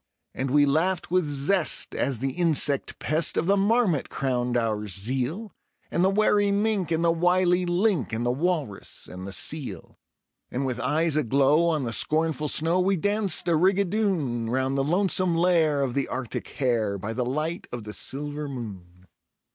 And we laughed with zest as the insect pest of the marmot crowned our zeal, And the wary mink and the wily "link", and the walrus and the seal. And with eyes aglow on the scornful snow we danced a rigadoon, Round the lonesome lair of the Arctic hare, by the light of the silver moon.